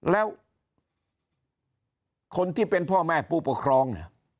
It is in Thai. แล้วคนที่เป็นพ่อแม่ผู้ปกครองเนี่ย